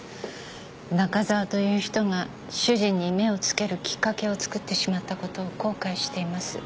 中沢という人が主人に目を付けるきっかけを作ってしまった事を後悔しています。